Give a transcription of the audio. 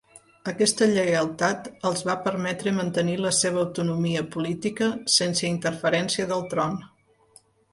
Aquesta lleialtat els va permetre mantenir la seva autonomia política sense interferència del tron.